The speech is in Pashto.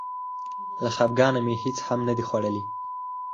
له خپګانه مې هېڅ هم نه دي خوړلي.